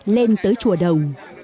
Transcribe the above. lên tới chùa đồng